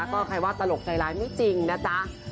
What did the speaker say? ก็ใครว่าตลกใจร้ายไม่จริงนะจ๊ะ